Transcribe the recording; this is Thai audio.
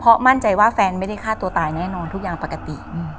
เพราะมั่นใจว่าแฟนไม่ได้ฆ่าตัวตายแน่นอนทุกอย่างปกติ